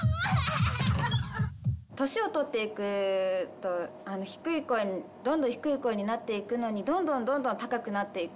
年を取っていくと低い声にどんどん低い声になっていくのにどんどんどんどん高くなっていく。